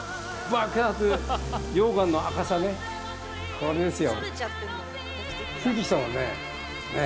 これですよ。